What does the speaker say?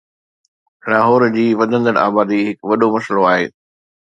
لاهور جي وڌندڙ آبادي هڪ وڏو مسئلو آهي